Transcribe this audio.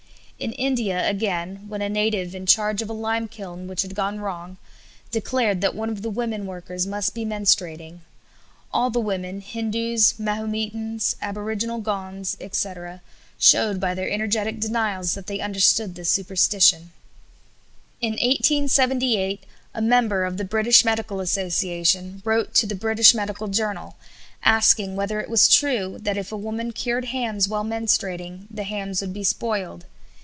In India, again, when a native in charge of a limekiln which had gone wrong, declared that one of the women workers must be menstruating, all the women Hindus, Mahometans, aboriginal Gonds, etc., showed by their energetic denials that they understood this superstition. In 1878 a member of the British Medical Association wrote to the British Medical Journal, asking whether it was true that if a woman cured hams while menstruating the hams would be spoiled.